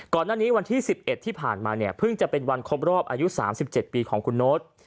ก่อนหน้านี้วันที่๑๑ที่ผ่านมาเนี่ยเพิ่งจะเป็นวันครบรอบอายุ๓๗ปีของคุณโน๊ต